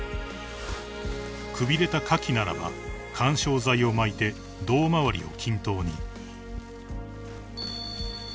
［くびれた花器ならば緩衝材を巻いて胴回りを均等に］